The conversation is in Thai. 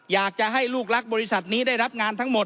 อยากจะให้ลูกรักบริษัทนี้ได้รับงานทั้งหมด